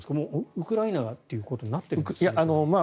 ウクライナがということになってるんですか？